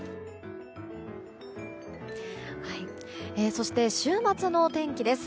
そして、週末の天気です。